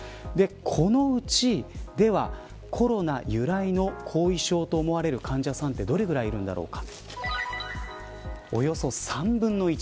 このうち、ではコロナ由来の後遺症と思われる患者さんはどれぐらいいるのだろうか。